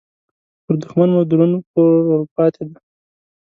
پر دوښمن مو درون پور ورپاتې دې